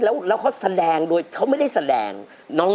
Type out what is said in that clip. แล้วเขาแสดงโดยเขาไม่ได้แสดง